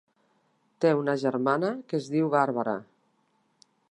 Té una germana que es diu Barbara.